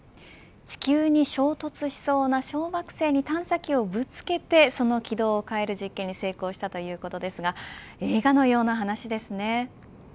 地球に衝突しそうな小惑星に探査機をぶつけてその軌道を変える実験に成功したということですが映画のような話ですね。